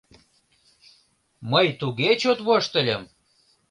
— Мый туге чот воштыльым!